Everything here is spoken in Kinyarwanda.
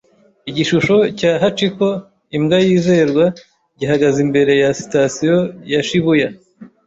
Igishusho cya Hachiko, imbwa yizerwa, gihagaze imbere ya Sitasiyo ya Shibuya.